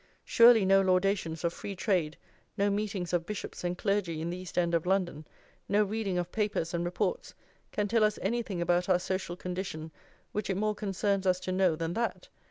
Surely no laudations of free trade, no meetings of bishops and clergy in the East End of London, no reading of papers and reports, can tell us anything about our social condition which it more concerns us to know than that!